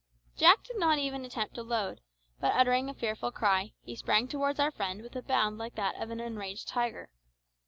Jack did not even attempt to load, but uttering a fearful cry, he sprang towards our friend with a bound like that of an enraged tiger.